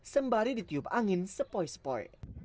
sembari ditiup angin sepoi sepoi